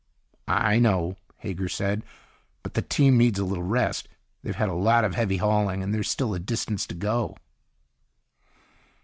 "I know," Hager said. "But the team needs a little rest. They've had a lot of heavy hauling, and there's still a distance to go."